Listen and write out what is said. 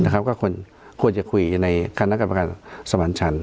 ก็ควรจะคุยในกรรมการสมัครชัน